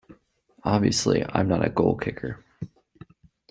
Obviously I'm not a goal-kicker.